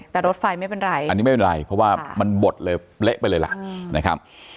แต่รถไฟไม่เป็นไรอันนี้ไม่เป็นไรเพราะว่ามันบดเลยเละไปเลยล่ะนะครับ